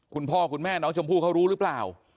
คุณพ่อคุณแม่น้องชมพู่เขารู้หรือเปล่า